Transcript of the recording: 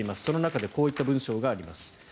その中でこういった文章があります。